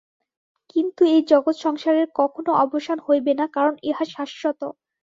কিন্তু এই জগৎ-সংসারের কখনও অবসান হইবে না, কারণ ইহা শাশ্বত।